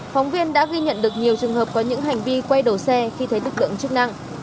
phóng viên đã ghi nhận được nhiều trường hợp có những hành vi quay đầu xe khi thấy lực lượng chức năng